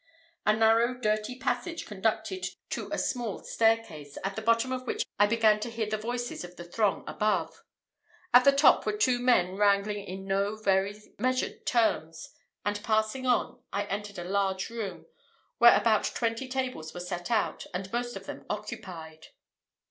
A narrow dirty passage conducted to a small staircase, at the bottom of which I began to hear the voices of the throng above. At the top were two men wrangling in no very measured terms; and passing on, I entered a large room, where about twenty tables were set out, and most of them occupied.